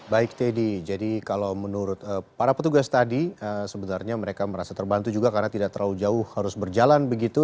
baik teddy jadi kalau menurut para petugas tadi sebenarnya mereka merasa terbantu juga karena tidak terlalu jauh harus berjalan begitu